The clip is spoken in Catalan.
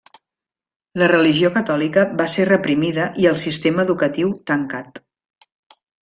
La religió catòlica va ser reprimida i el sistema educatiu tancat.